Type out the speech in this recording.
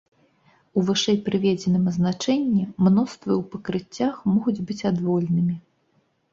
У вышэйпрыведзеным азначэнні мноствы ў пакрыццях могуць быць адвольнымі.